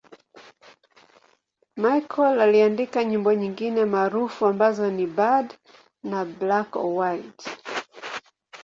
Michael aliandika nyimbo nyingine maarufu ambazo ni 'Bad' na 'Black or White'.